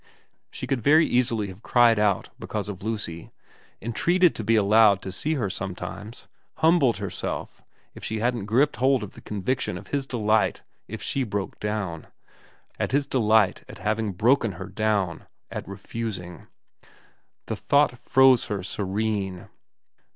... She could very easily have cried out because of Lucy, entreated to be allowed to see her sometimes, humbled herself, if she hadn't gripped hold of the conviction of his delight if she broke down, of his delight at having broken her down, at refusing. The thought froze her serene.